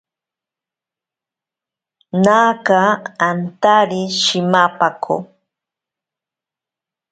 Naaka antari shimapako.